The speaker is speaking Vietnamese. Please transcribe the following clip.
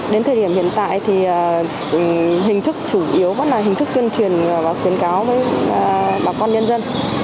đến thời điểm hiện tại thì hình thức chủ yếu vẫn là hình thức tuyên truyền và khuyến cáo với bà con nhân dân